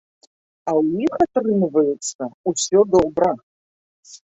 А ў іх атрымліваецца ўсё добра.